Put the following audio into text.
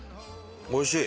おいしい。